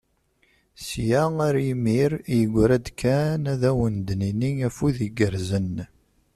Sya ar yimir, yegra-d kan ad awen-d-nini afud igerrzen.